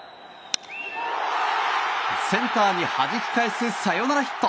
センターにはじき返すサヨナラヒット。